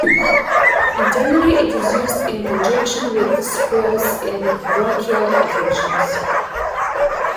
Internally it is used in conjunction with squills in bronchial affections.